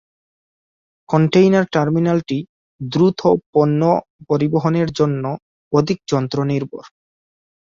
Container টার্মিনালটি দ্রুত পণ্য পরিবহনের জন্য অধিক যন্ত্র নির্ভর।